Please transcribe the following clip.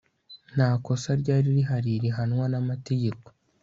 nta kosa ryari rihari rihanwa n'amategeko